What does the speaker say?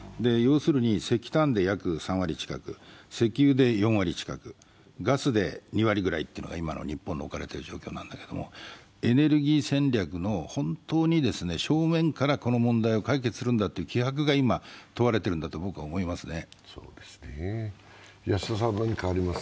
要するに石炭で約３割近く、石油で４割近く、ガスで２割ぐらいというのが今の日本の置かれている状況なんだけれども、エネルギー戦略の本当に正面からこの問題を解決するんだという気迫が今、問われているんだと思います。